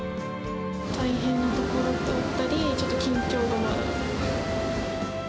大変なところだったり、ちょっと緊張がまだ。